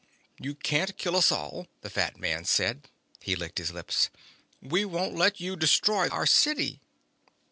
"You can't kill us all," the fat man said. He licked his lips. "We won't let you destroy our city."